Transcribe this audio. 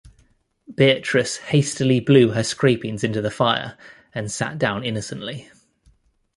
Beatrice hastily blew her scrapings into the fire, and sat down innocently.